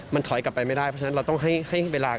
มันถอยกลับไปไม่ได้เพราะฉะนั้นเราต้องให้เวลา